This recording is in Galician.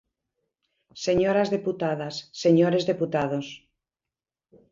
Señoras deputadas, señores deputados.